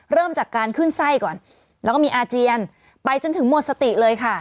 เริ่มจากการขึ้นไส้ก่อนแล้วก็มีอาเจียนไปจนถึงหมดสติเลยค่ะ